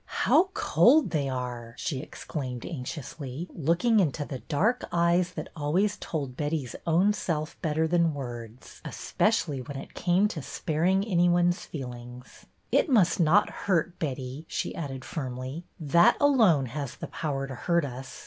How cold they are !" she exclaimed anx iously, looking into the dark eyes that always told Betty's own self better than words, especially PHOSPHORESCENCE 24 1 when it came to sparing any one's feelings. It must not hurt, Betty," she added firmly. That alone has the power to hurt us.